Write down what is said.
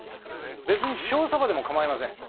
別に塩サバでも構いません。